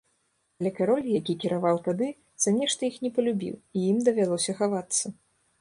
Але кароль, які кіраваў тады, за нешта іх не палюбіў і ім давялося хавацца.